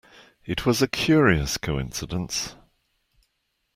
It was a curious coincidence.